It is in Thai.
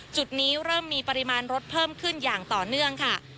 จุดนี้เริ่มมีปริมาณรถเพิ่มขึ้นอย่างต่อเนื่องค่ะ